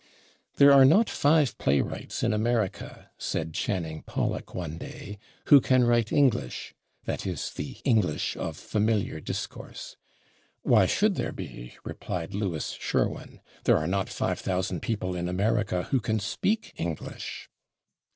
"There are not five playwrights in America," said Channing Pollock one day, "who can write English" that is, the English of familiar discourse. "Why should there be?" replied Louis Sherwin. "There are not five thousand people in America who can /speak/ English."